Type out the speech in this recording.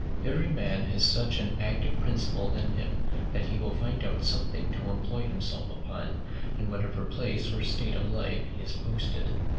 Every man has such an active principle in him, that he will find out something to employ himself upon, in whatever place or state of life he is posted.